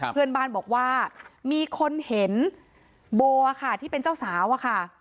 เพื่อนบ้านบอกว่ามีคนเห็นโบค่ะที่เป็นเจ้าสาวอะค่ะ